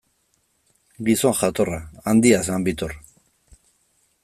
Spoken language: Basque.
Gizon jatorra, handia zen Bittor.